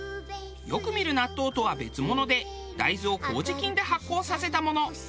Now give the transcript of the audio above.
よく見る納豆とは別物で大豆を麹菌で発酵させたもの。